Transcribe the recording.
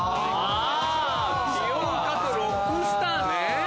美容家とロックスターね！